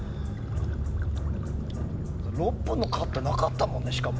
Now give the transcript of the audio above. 「６分のカットなかったもんねしかも」